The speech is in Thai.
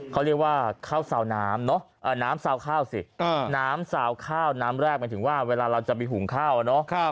เขาเรียกว่าข้าวซาวน้ำเนาะน้ำซาวข้าวสิน้ำซาวข้าวน้ำแรกหมายถึงว่าเวลาเราจะไปหุงข้าวเนอะ